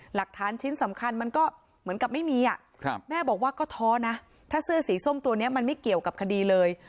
หลักฐานชิ้นสำคัญมันก็เหมือนกับไม่มีอ่ะแม่บอกว่าก็ท้อนะถ้าเสื้อสีส้มตัวนี้มันไม่เกี่ยวกับคดีเลย